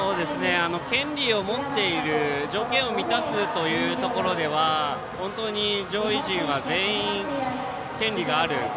権利を持っている条件を満たすというところでは本当に上位陣は全員、権利がある。